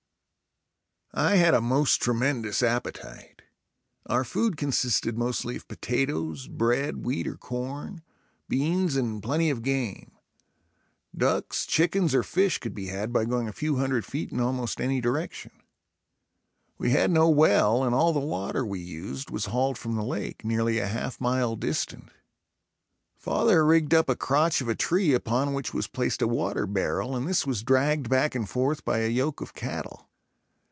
I had a most tremendous appetite. Our food consisted mostly of potatoes, bread, wheat or corn, beans and plenty of game. Ducks, chickens or fish could be had by going a few hundred feet in almost any direction. We had no well and all the water we used was hauled from the lake, nearly a half mile distant. Father rigged up a crotch of a tree upon which was placed a water barrel and this was dragged back and forth by a yoke of cattle.